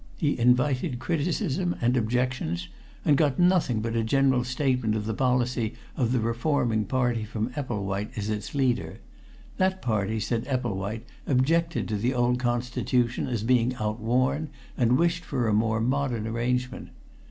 He invited criticism and objections and got nothing but a general statement of the policy of the reforming party from Epplewhite, as its leader: that party, said Epplewhite, objected to the old constitution as being outworn and wished for a more modern arrangement.